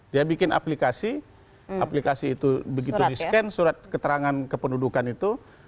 dia bikin aplikasi aplikasi itu begitu di scan surat keterangan kependudukan itu